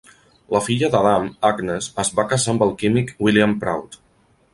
La filla d'Adam, Agnes, es va casar amb el químic William Prout.